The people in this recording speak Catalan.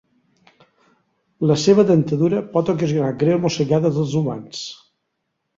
La seua dentadura pot ocasionar greus mossegades als humans.